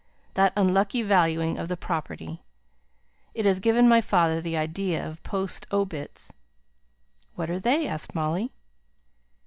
That unlucky valuing of the property! It has given my father the idea of post obits " "What are they?" asked Molly.